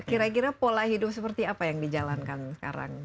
kira kira pola hidup seperti apa yang dijalankan sekarang